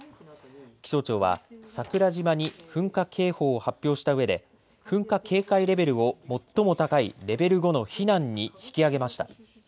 気象庁は桜島に噴火警報を発表したうえで噴火警戒レベルを最も高いレベル５の避難に引き上げました。